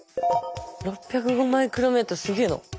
６０５マイクロメートルすげえな。